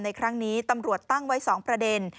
ในครั้งนี้ตำรวจตั้งไว้๒ประเด็น